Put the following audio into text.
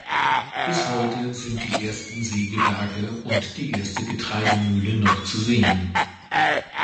Bis heute sind die ersten Sägewerke und die erste Getreidemühle noch zu sehen.